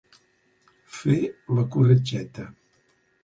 Fer la corretgeta.